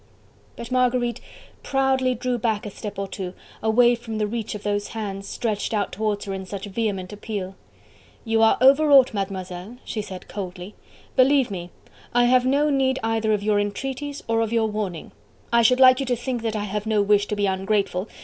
But Marguerite proudly drew back a step or two, away from the reach of those hands, stretched out towards her in such vehement appeal. "You are overwrought, Mademoiselle," she said coldly. "Believe me, I have no need either of your entreaties or of your warning.... I should like you to think that I have no wish to be ungrateful...